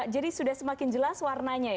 jadi sudah semakin jelas warnanya